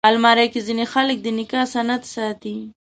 الماري کې ځینې خلک د نکاح سند ساتي